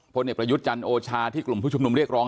เด็กประยุทธ์จันทร์โอชาที่กลุ่มผู้ชุมนุมเรียกร้อง